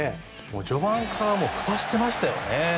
序盤から飛ばしてましたよね。